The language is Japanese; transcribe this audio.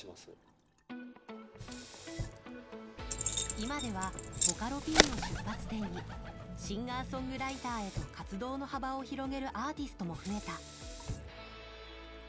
今ではボカロＰを出発点にシンガーソングライターへと活動の幅を広げるアーティストも増えた。